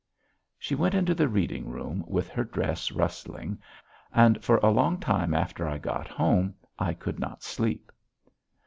She went into the reading room, with her dress rustling, and for a long time after I got home I could not sleep.